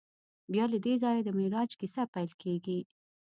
بیا له دې ځایه د معراج کیسه پیل کېږي.